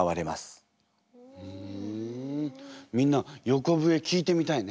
みんな横笛聞いてみたいね。